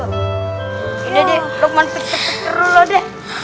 ya udah deh lukman peker peker dulu deh